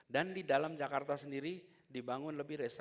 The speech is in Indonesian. dan di dalam jakarta sendiri dibangun lebih dari satu ratus lima puluh kios air